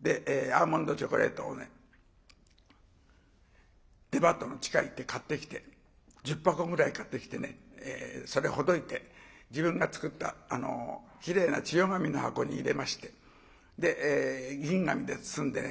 でアーモンドチョコレートをデパートの地下へ行って買ってきて１０箱ぐらい買ってきてそれほどいて自分が作ったきれいな千代紙の箱に入れまして銀紙で包んでね。